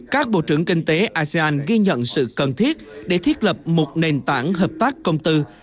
các bộ trưởng kinh tế asean ghi nhận sự cần thiết để thiết lập một nền tảng hợp tác công tư